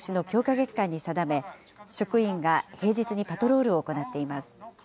月間に定め、職員が平日にパトロールを行っています。